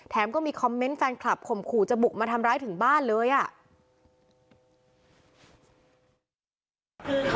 ก็มีคอมเมนต์แฟนคลับข่มขู่จะบุกมาทำร้ายถึงบ้านเลยอ่ะ